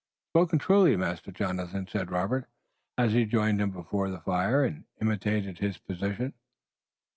"Spoken truly, Master Jonathan," said Robert, as he joined him before the fire, and imitated his position.